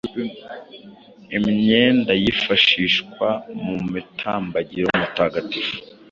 Imyenda yifashishwa mu mutambagiro mutagatifu,